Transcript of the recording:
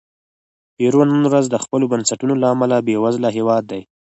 پیرو نن ورځ د خپلو بنسټونو له امله بېوزله هېواد دی.